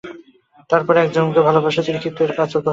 তবে পরে অপর একজনকে ভালোবাসলে তিনি ক্ষিপ্ত হয়ে কাজলকে হত্যা করেন।